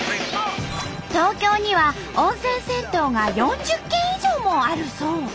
東京には温泉銭湯が４０軒以上もあるそう。